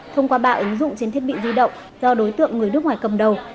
thông qua ba ứng dụng trên thiết bị di động do đối tượng người nước ngoài cầm đầu